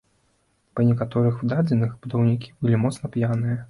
Па некаторых дадзеных, будаўнікі былі моцна п'яныя.